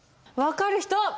分かる人！